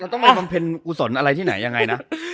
เราต้องไปบำเพ็ญอุสนอะไรที่ไหนยังไงนะ